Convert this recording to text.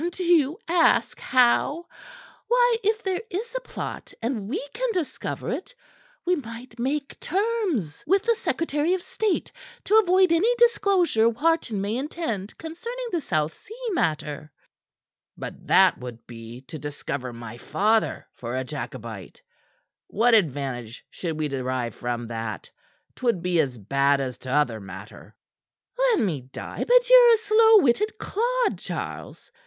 "Do you ask how? Why, if there is a plot, and we can discover it, we might make terms with the secretary of state to avoid any disclosure Wharton may intend concerning the South Sea matter." "But that would be to discover my father for a Jacobite! What advantage should we derive from that? 'Twould be as bad as t'other matter." "Let me die, but ye're a slow witted clod, Charles.